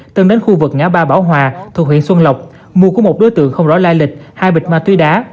tâm đến khu vực ngã ba bảo hòa thuộc huyện xuân lộc mua của một đối tượng không rõ lai lịch hai bịch ma túy đá